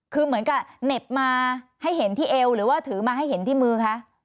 คือเหมือนกับเหน็บมาให้เห็นที่เอวหรือว่าถือมาให้เห็นที่มือคะ